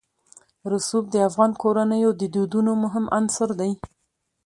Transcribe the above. رسوب د افغان کورنیو د دودونو مهم عنصر دی.